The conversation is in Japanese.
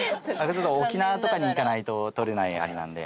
沖縄とかに行かないと採れないアリなので。